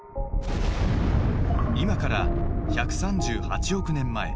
「今から１３８億年前。